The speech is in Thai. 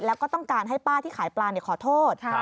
แล้วก็ต้องการให้ป้าที่ขายปลาขอโทษ